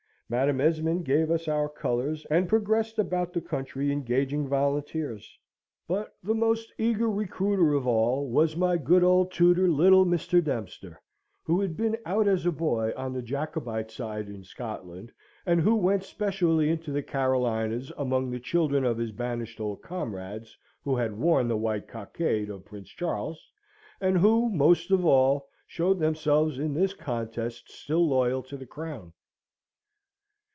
Madam Esmond gave us our colours, and progressed about the country engaging volunteers; but the most eager recruiter of all was my good old tutor, little Mr. Dempster, who had been out as a boy on the Jacobite side in Scotland, and who went specially into the Carolinas, among the children of his banished old comrades, who had worn the white cockade of Prince Charles, and who most of all showed themselves in this contest still loyal to the Crown.